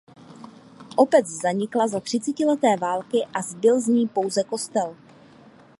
Obec zanikla za třicetileté války a zbyl z ní pouze kostel.